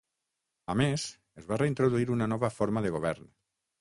A més, es va reintroduir una nova forma de govern.